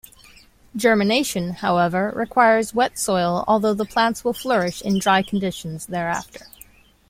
Germination, however, requires wet soil although the plants will flourish in dry conditions thereafter.